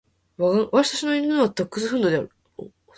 私の犬はダックスフンドである。